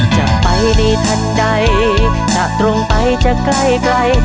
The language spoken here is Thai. จะไปในทันใดจะตรงไปจะใกล้ใกล้